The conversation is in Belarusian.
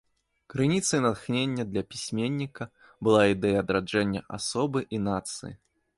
Крыніцай натхнення для пісьменніка была ідэя адраджэння асобы і нацыі.